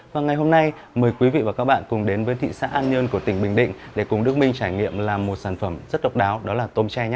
và ngày hôm nay mời quý vị và các bạn cùng đến với thị xã an nhơn của tỉnh bình định để cùng đức minh trải nghiệm làm một sản phẩm rất độc đáo đó là tôm tre nhé